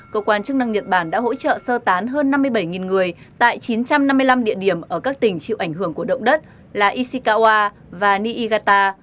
cơ quan chức năng nhật bản đã hỗ trợ sơ tán hơn năm mươi bảy người tại chín trăm năm mươi năm địa điểm ở các tỉnh chịu ảnh hưởng của động đất là ishikawa và niigata